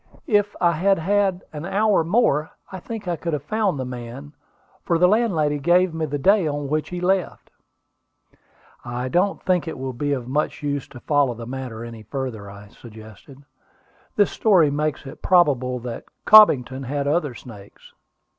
If I had had an hour more, I think I could have found the man; for the landlady gave me the day on which he left." "I don't think it will be of much use to follow the matter any further," I suggested. "This story makes it probable that Cobbington had other snakes."